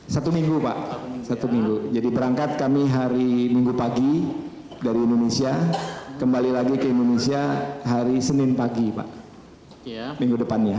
satu minggu pak satu minggu jadi berangkat kami hari minggu pagi dari indonesia kembali lagi ke indonesia hari senin pagi pak minggu depannya